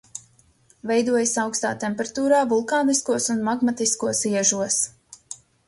Veidojas augstā temperatūrā vulkāniskos un magmatiskos iežos.